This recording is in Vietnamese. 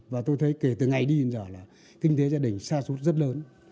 và tôi thấy kể từ ngày đi đến giờ là kinh tế gia đình xa suốt rất lớn